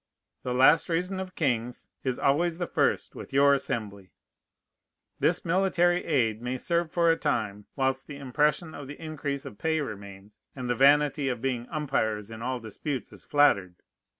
The last reason of kings is always the first with your Assembly. This military aid may serve for a time, whilst the impression of the increase of pay remains, and the vanity of being umpires in all disputes is flattered.